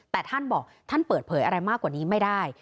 แต่ท่านบอกท่านเปิดเผยอะไรมากกว่านี้ไม่ได้